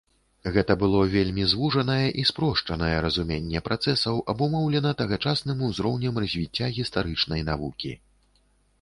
Гэта было вельмі звужанае і спрошчанае разуменне працэсаў, абумоўлена тагачасным узроўнем развіцця гістарычнай навукі.